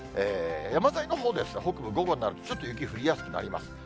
山沿いのほうですが、北部、午後になると、ちょっと雪降りやすくなります。